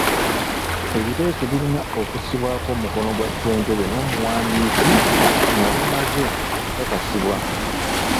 Ebiteeso birina okussibwako omukono gwa ssentebe n'omuwandiisi nga bimaze okukakasibwa.